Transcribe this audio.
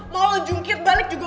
mau lo jungkit balik juga